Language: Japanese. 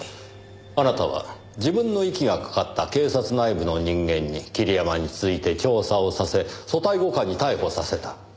あなたは自分の息がかかった警察内部の人間に桐山について調査をさせ組対５課に逮捕させた。